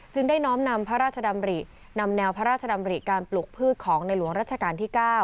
ได้น้อมนำพระราชดำรินำแนวพระราชดำริการปลูกพืชของในหลวงรัชกาลที่๙